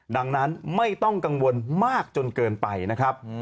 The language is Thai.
ดังนั้นไม่ต้องกังวลมากจนเกินไปนะครับ